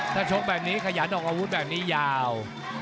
ถ้าชกแบบนี้ขยันออกอาวุธแบบนี้ยาว